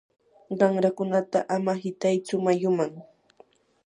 qanrakunata ama qitaychu mayuman.